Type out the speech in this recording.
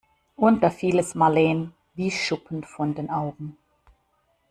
Und da fiel es Marleen wie Schuppen von den Augen.